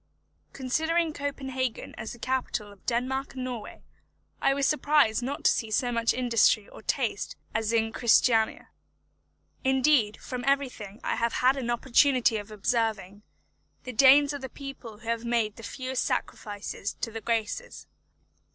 Considering Copenhagen as the capital of Denmark and Norway, I was surprised not to see so much industry or taste as in Christiania. Indeed, from everything I have had an opportunity of observing, the Danes are the people who have made the fewest sacrifices to the graces.